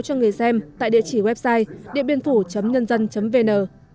cho người xem tại địa chỉ website www dienbiênphủ nhân dân vn